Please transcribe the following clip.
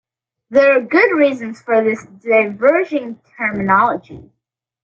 There are good reasons for this diverging terminology.